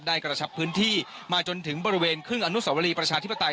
กระชับพื้นที่มาจนถึงบริเวณครึ่งอนุสวรีประชาธิปไตย